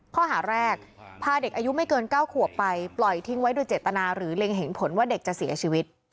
ข้อหาแรกพาเด็กอายุไม่เกิน๙ขวบไปปล่อยทิ้งไว้โดยเจตนาหรือเล็งเห็นผลว่าเด็กจะเสียชีวิต